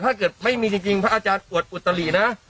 ถ้าเกิดไม่มีจริงพระอาจารย์อวดอุตลินะ